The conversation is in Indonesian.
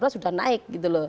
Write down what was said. sudah naik gitu loh